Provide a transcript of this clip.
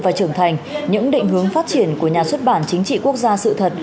và trưởng thành những định hướng phát triển của nhà xuất bản chính trị quốc gia sự thật